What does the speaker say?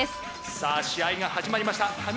さあ試合が始まりました。